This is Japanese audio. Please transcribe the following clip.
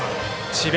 智弁